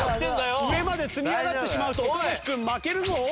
上まで積み上がってしまうと岡君負けるぞ。